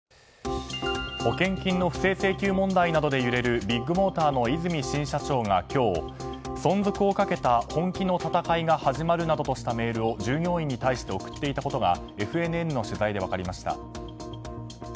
保険金の不正請求問題などで揺れるビッグモーターの和泉新社長が今日存続をかけた本気の戦いが始まるなどとしたメールを従業員に対して送っていたことがＦＮＮの取材で分かりました。